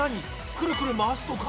くるくる回すとか？